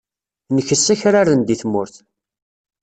Nkess akraren deg tmurt.